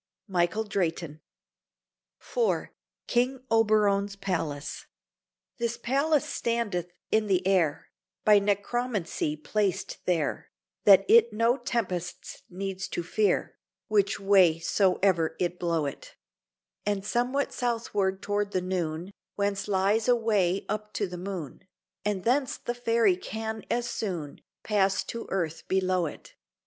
Michael Drayton IV KING OBERON'S PALACE This palace standeth in the air, By necromancy placed there, That it no tempests needs to fear, Which way so e'er it blow it: And somewhat southward toward the noon Whence lies a way up to the Moon, And thence the Fairy can as soon Pass to the earth below it.